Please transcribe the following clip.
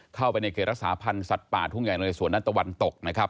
เข้าไปในเขตรักษาพันธ์สัตว์ป่าทุ่งใหญ่ในสวนด้านตะวันตกนะครับ